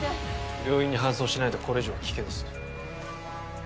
病院に搬送しないとこれ以上は危険です